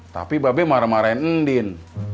tapi babi marah marahin